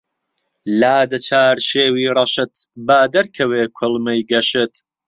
لادە چارشێوی ڕەشت با دەرکەوێ کوڵمەی گەشت